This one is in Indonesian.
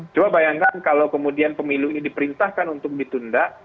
coba bayangkan kalau kemudian pemilu ini diperintahkan untuk ditunda